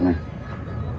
không thì học này